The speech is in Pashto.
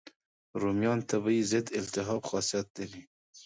رومیان طبیعي ضد التهاب خاصیت لري.